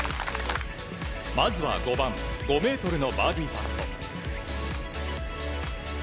まずは５番５ｍのバーディーパット。